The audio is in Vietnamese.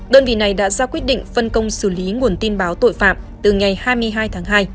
đơn vị này đã ra quyết định phân công xử lý nguồn tin báo tội phạm từ ngày hai mươi hai tháng hai